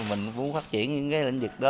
mình muốn phát triển những lĩnh vực đó